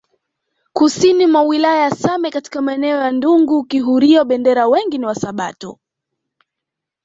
Kusini mwa wilaya ya Same katika maeneo ya Ndungu Kihurio Bendera wengi ni wasabato